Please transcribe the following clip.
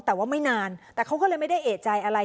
แต่ว่าไม่นานแต่เขาก็เลยไม่ได้เอกใจอะไร